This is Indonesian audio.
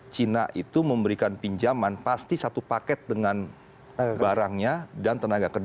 cina itu memberikan pinjaman pasti satu paket dengan barangnya dan tenaga kerja